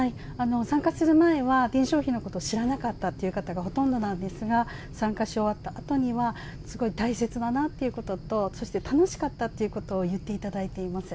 参加する前は伝承碑のことを知らなかったという方がほとんどなんですが、参加し終わったあとにはすごい大切だなということと、そして楽しかったっていうことを言っていただいています。